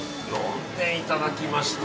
◆４点いただきました。